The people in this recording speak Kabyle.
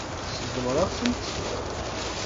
Tseggmeḍ-asent-tt.